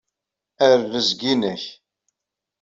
A rrezg-nnek!